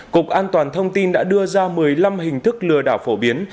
cục an toàn thông tin đã đưa ra một mươi năm hình thức lừa đảo phổ biến